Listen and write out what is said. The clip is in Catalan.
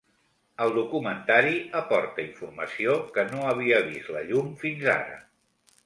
El documentari aporta informació que no havia vist la llum fins ara.